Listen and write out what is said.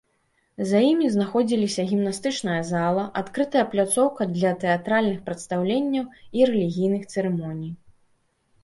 За імі знаходзіліся гімнастычная зала, адкрытая пляцоўка для тэатральных прадстаўленняў і рэлігійных цырымоній.